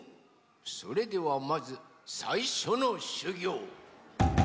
それではまずさいしょのしゅぎょう。